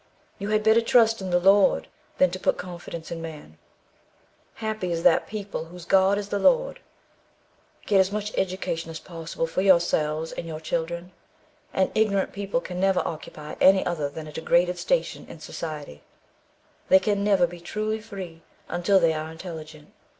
You had better trust in the Lord than to put confidence in man. Happy is that people whose God is the Lord. Get as much education as possible for yourselves and your children. An ignorant people can never occupy any other than a degraded station in society; they can never be truly free until they are intelligent.